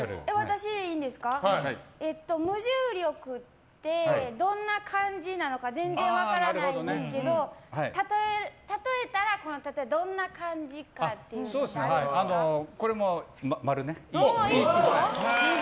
無重力ってどんな感じなのか全然分からないんですけど例えたらどんな感じかっていうのはこれもいい質問。